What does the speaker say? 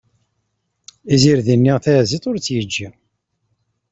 Izirdi-nni tayaziḍt ur tt-yeǧǧi.